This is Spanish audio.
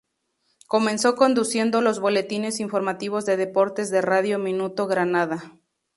Comenzó conduciendo los boletines informativos de deportes de Radio Minuto Granada.